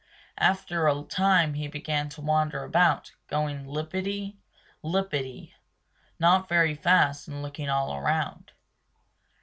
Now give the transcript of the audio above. After a time he began to wander about, going lippity lippity not very fast and looking all around.